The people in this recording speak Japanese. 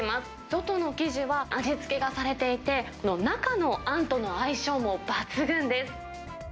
外の生地は味付けがされていて、中のあんとの相性も抜群です。